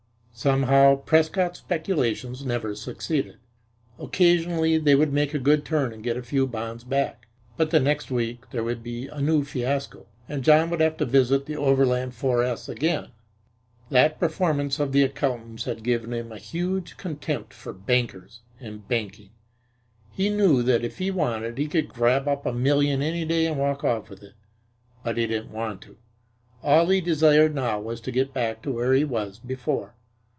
Somehow, Prescott's speculations never succeeded. Occasionally they would make a good turn and get a few bonds back, but the next week there would be a new fiasco, and John would have to visit the Overland 4s again. That performance of the accountants had given him a huge contempt for bankers and banking. He knew that if he wanted to he could grab up a million any day and walk off with it, but he didn't want to. All he desired now was to get back to where he was before.